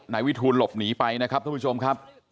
นายวิทูลหลบหนีไปนะครับทุกผู้ชมครับ